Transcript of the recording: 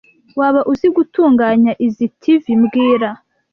Waba uzi gutunganya izoi TV mbwira